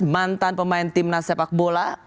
mantan pemain timnas sepak bola